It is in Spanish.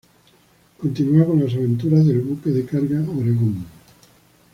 Continua con las aventuras del buque de carga "Oregón".